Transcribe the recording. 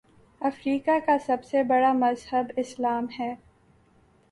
افریقہ کا سب سے بڑا مذہب اسلام ہے